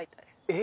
え？